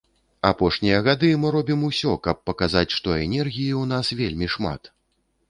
Апошнія гады мы робім усё, каб паказаць, што энергіі ў нас вельмі шмат.